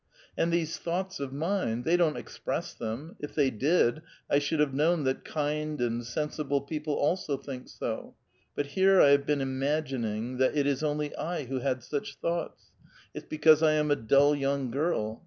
And these thoughts of mine — they don't express them ; if they did, I should have known that kind and sensi ble people also think so. But here I have been imagining that it is only I who had such thoughts ; it's because I am a dull young girl.